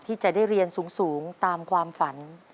ที่จะได้เรียนสูงตามความฝัน